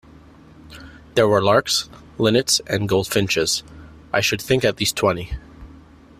There were larks, linnets, and goldfinches — I should think at least twenty.